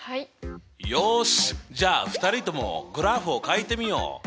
よしじゃあ２人ともグラフをかいてみよう！